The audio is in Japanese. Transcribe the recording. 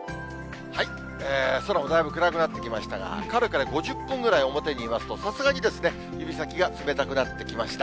空もだいぶ暗くなってきましたが、かれこれ５０分ぐらい、表にいますと、さすがに指先が冷たくなってきました。